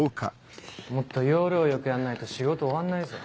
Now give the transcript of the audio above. もっと要領よくやんないと仕事終わんないぞ。